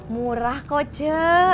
murah kok ce